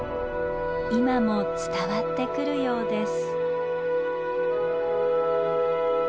今も伝わってくるようです。